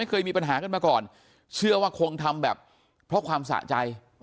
เคยมีปัญหากันมาก่อนเชื่อว่าคงทำแบบเพราะความสะใจ